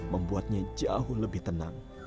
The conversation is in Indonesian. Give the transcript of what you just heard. membuatnya jauh lebih tenang